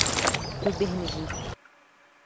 Tu bêhnijî.